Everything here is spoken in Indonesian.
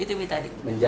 itu yang tadi